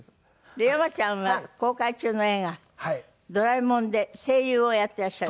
で山ちゃんは公開中の映画『ドラえもん』で声優をやっていらっしゃる。